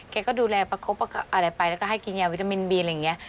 แกก็ดูแลประคบอะไรไปแล้วก็ให้กินยาวิตามินบีอะไรอย่างนี้